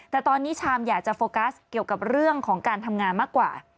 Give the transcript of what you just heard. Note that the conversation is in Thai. แต่ตอนนี้ชามอยากจะโฟกัสเกี่ยวกับเรื่องของการทำงานมากกว่า